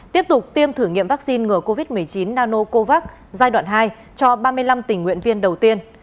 tiếp tục tiêm thử nghiệm vaccine ngừa covid một mươi chín nanocovax giai đoạn hai cho ba mươi năm tình nguyện viên đầu tiên